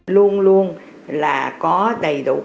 luôn luôn là có đầy đủ